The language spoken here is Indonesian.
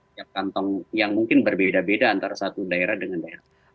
di tiap kantong yang mungkin berbeda beda antara satu daerah dengan daerah lain